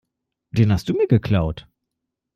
Den hast du mir geklaut.